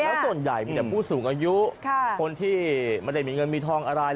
แล้วส่วนใหญ่แบบผู้สูงอายุ